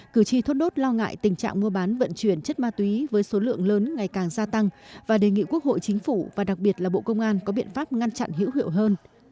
cử tri thốt nốt lo ngại tình trạng mua bán vận chuyển chất ma túy với số lượng lớn ngày càng gia tăng và đề nghị quốc hội chính phủ và đặc biệt là bộ công an có biện pháp ngăn chặn hữu hiệu hơn